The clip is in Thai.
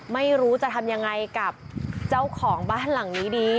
ไม่รู้จะทำยังไงกับเจ้าของบ้านหลังนี้ดี